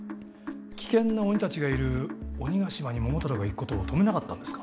危険な鬼たちがいる鬼ヶ島に桃太郎が行くことを止めなかったんですか？